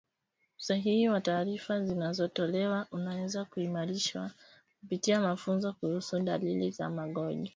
usahihi wa taarifa zinazotolewa unaweza kuimarishwa kupitia mafunzo kuhusu dalili za magonjwa